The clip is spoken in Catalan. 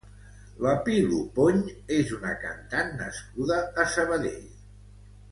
La Pelopony és una cantant nascuda a Sabadell.